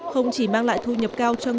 không chỉ mang lại thu nhập cao cho ngư dân